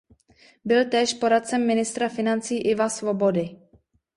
Byl též poradcem ministra financí Iva Svobody.